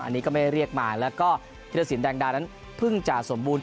อันนี้ก็ไม่ได้เรียกมาแล้วก็เทียรศิลป์แดงดาวนั้นเพิ่งจะสมบูรณ์